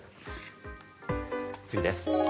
次です。